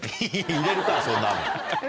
入れるかそんなもん。